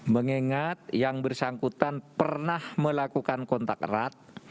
mengingat yang bersangkutan pernah melakukan kontak erat